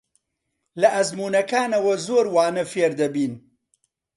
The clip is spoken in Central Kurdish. لە ئەزموونەکانەوە زۆر وانە فێر دەبین.